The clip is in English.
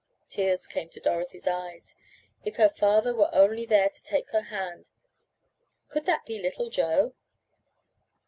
Tears came to Dorothy's eyes. If her father were only there to take her hand could that be little Joe?